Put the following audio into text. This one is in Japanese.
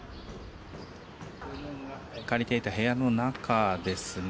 借りていた部屋の中ですね